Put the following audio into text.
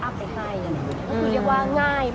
อย่างนี้ก็กูรูเนอะเรื่องความงาม